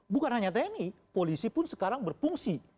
bukan hanya tni polisi pun sekarang berfungsi